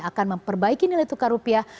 akan memperbaiki nilai tukar rupiah